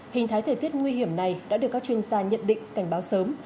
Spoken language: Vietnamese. hình thái thời tiết nguy hiểm này đã được các chuyên gia nhận định cảnh báo sớm